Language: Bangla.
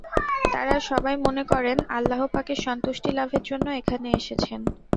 তাঁরা সবাই মনে করেন, আল্লাহ পাকের সন্তুষ্টি লাভের জন্য এখানে এসেছেন।